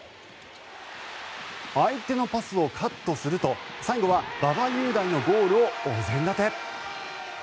相手のパスをカットすると最後は馬場雄大のゴールをお膳立て。